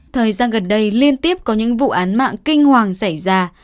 thời gian gần đây liên tiếp có những vụ án mạng kinh hoàng xảy ra